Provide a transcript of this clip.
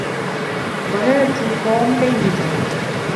ظننت توم ميّتا.